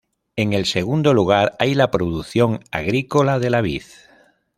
En el segundo lugar hay la producción agrícola de la vid.